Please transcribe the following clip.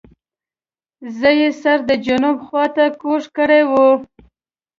زه یې سر د جنوب خواته کوږ کړی وو.